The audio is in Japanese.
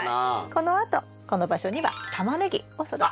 このあとこの場所にはタマネギを育てます。